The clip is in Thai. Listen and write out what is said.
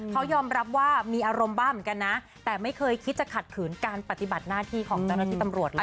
เขายอมรับว่ามีอารมณ์บ้าเหมือนกันนะแต่ไม่เคยคิดจะขัดขืนการปฏิบัติหน้าที่ของเจ้าหน้าที่ตำรวจเลย